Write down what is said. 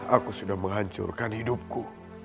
aku sudah menghancurkan hidupku